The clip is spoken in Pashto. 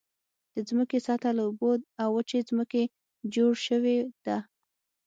د ځمکې سطحه له اوبو او وچې ځمکې جوړ شوې ده.